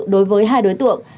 đối với hai đối tượng